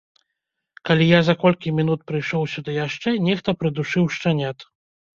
Калі я за колькі мінут прыйшоў сюды яшчэ, нехта прыдушыў шчанят.